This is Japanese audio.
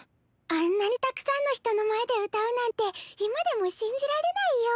あんなにたくさんの人の前で歌うなんて今でも信じられないよ。